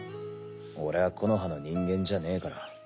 俺は木ノ葉の人間じゃねえから。